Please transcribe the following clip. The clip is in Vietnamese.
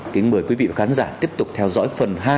kính mời quý vị khán giả tiếp tục theo dõi phần hai